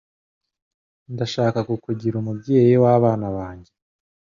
Ndashaka kukugira umubyeyi wabanabnjye…